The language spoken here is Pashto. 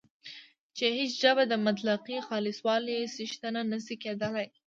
چې هیڅ ژبه د مطلقې خالصوالي څښتنه نه شي کېدلای